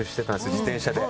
自転車で。